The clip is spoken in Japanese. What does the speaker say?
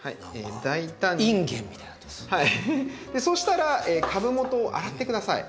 そしたら株元を洗って下さい。